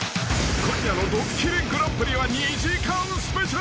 ［今夜の『ドッキリＧＰ』は２時間スペシャル］